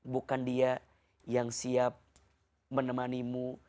bukan dia yang siap menemanimu